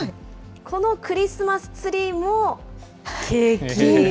このクリスマスツリーもケーキ。